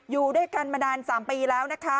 อยู่ด้วยกันมานาน๓ปีแล้วนะคะ